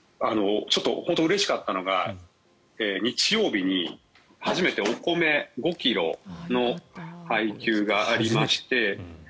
本当、うれしかったのが日曜日に初めてお米５ｋｇの配給がありまして。